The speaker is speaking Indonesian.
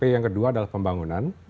yang kedua adalah pembangunan